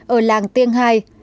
ở làng tiêng hai